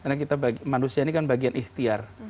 karena kita manusia ini kan bagian ikhtiar